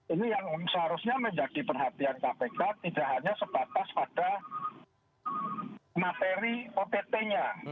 ini yang seharusnya menjadi perhatian kpk tidak hanya sebatas pada materi ott nya